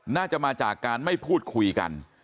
น่าจะมาจากการไม่พูดคุยกัน